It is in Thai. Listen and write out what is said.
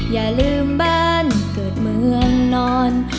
อย่าลืมบ้านเกิดเมืองนอน